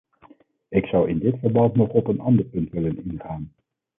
Ik zou in dit verband nog op een ander punt willen ingaan.